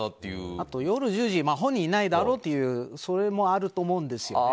あと夜１０時本人いないだろうというのもあると思います。